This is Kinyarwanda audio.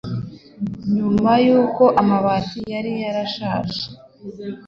nyuma y'uko amabati yari yarashaje